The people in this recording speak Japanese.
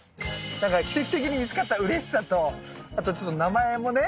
なんか奇跡的に見つかったうれしさとあとちょっと名前もね